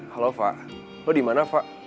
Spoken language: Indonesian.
halo fak lo dimana fak